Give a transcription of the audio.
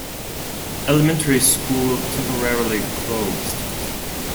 Elementary school temporarily closed.